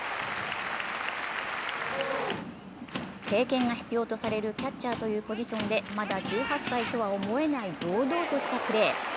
経験が必要とされるキャッチャーというポジションでまだ１８歳とは思えない堂々としたプレー。